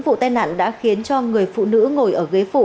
vụ tai nạn đã khiến cho người phụ nữ ngồi ở ghế phụ